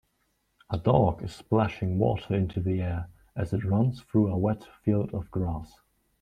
A dog is splashing water into the air as it runs through a wet field of grass.